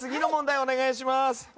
お願いします。